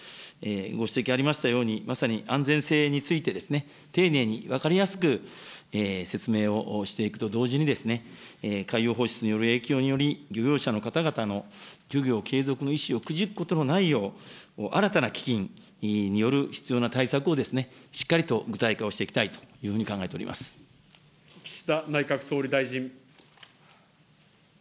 ご指摘ありましたように、まさに安全性について、丁寧に分かりやすく説明をしていくと同時に、海洋放出による影響により、漁業者の方々の漁業継続の意思をくじくことのないよう、新たな基金による必要な対策を、しっかりと具体化をしていきたい岸田内閣総理大臣。